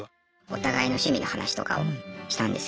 お互いの趣味の話とかをしたんですけど。